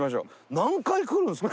何回来るんですか？